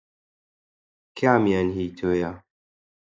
کامیان هی تۆیە؟